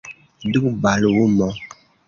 Duba lumo.